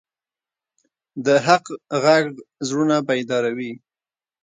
د حق غږ زړونه بیداروي